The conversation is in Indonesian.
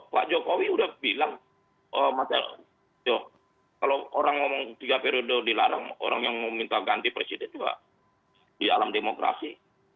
pak jokowi udah bilang kalau orang ngomong tiga periode dilarang orang yang mau minta ganti presiden juga di alam demokrasi